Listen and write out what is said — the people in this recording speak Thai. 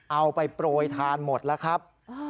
เอาไปโปรยทานหมดแล้วครับ